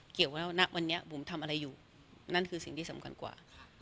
เกี่ยวว่าณวันนี้บุ๋มทำอะไรอยู่นั่นคือสิ่งที่สำคัญกว่า